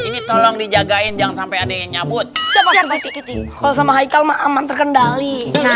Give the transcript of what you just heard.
ini tolong dijagain jangan sampai ada yang nyambut kalau sama hai kamu aman terkendali